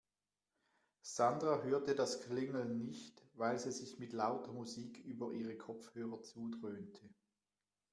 Sandra hörte das Klingeln nicht, weil sie sich mit lauter Musik über ihre Kopfhörer zudröhnte.